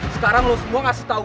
sekarang loh semua ngasih tau